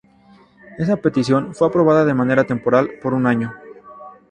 Esa petición fue aprobada de manera temporal, por un año.